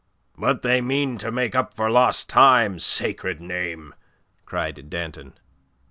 "But they mean to make up for lost time sacred name!" cried Danton.